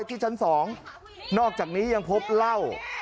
ที่ชั้น๒นอกจากนี้ยังพบเหล้า